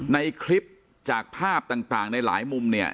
ในคลิปจากภาพต่างในหลายมุมเนี่ย